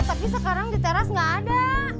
tapi sekarang di teras nggak ada